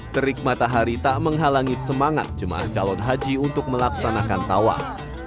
terik matahari tak menghalangi semangat jemaah calon haji untuk melaksanakan tawaf